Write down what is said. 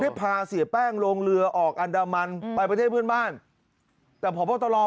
พาเสียแป้งลงเรือออกอันดามันไปประเทศเพื่อนบ้านแต่พบตร